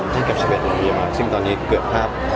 ได้กับชาวแบบธุรกิจภาพซึ่งตอนนี้เกือบภาพ